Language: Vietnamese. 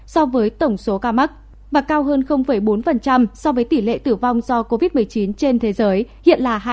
so với tổng số ca mắc và cao hơn bốn so với tỷ lệ tử vong do covid một mươi chín trên thế giới hiện là hai